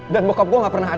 dan bokap gue gak pernah ada